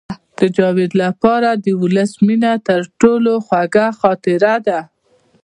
د جاوید لپاره د ولس مینه تر ټولو خوږه خاطره ده